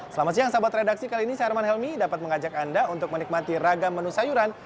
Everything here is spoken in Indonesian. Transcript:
selamat siang sahabat redaksi kali ini saya arman helmi dapat mengajak anda untuk menikmati ragam menu sayuran